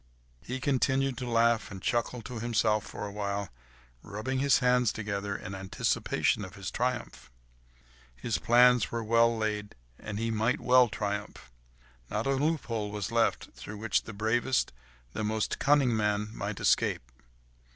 He continued to laugh and chuckle to himself for a while, rubbing his hands together in anticipation of his triumph. His plans were well laid, and he might well triumph! Not a loophole was left, through which the bravest, the most cunning man might escape.